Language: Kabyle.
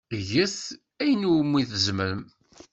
Get ayen umi tzemrem.